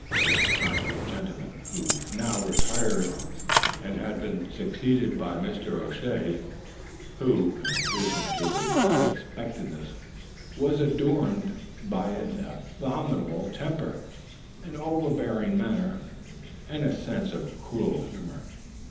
This kind old gentleman was now retired and had been succeeded by Mr. O'Shea, who, in addition to his unexpectedness, was adorned by an abominable temper, an overbearing manner, and a sense of cruel humor.